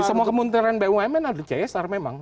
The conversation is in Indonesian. semua kementerian bumn ada csr memang